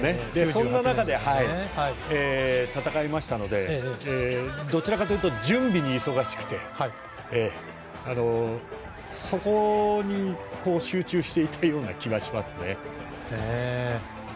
そんな中で戦いましたのでどちらかというと準備に忙しくてそこに集中していたような気はしますね。